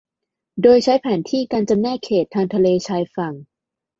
โดยใช้แผนที่การจำแนกเขตทางทะเลชายฝั่ง